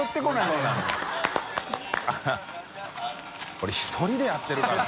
海１人でやってるからね。